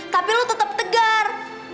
tapi lo tetep tegar